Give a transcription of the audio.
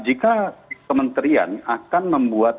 jika kementerian akan membuat